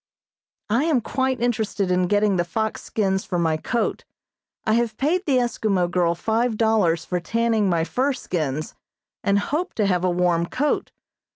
I am quite interested in getting the fox skins for my coat. I have paid the Eskimo girl five dollars for tanning my fur skins, and hope to have a warm coat.